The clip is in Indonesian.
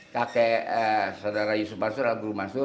kakek saudara yusuf mansur adalah guru mansur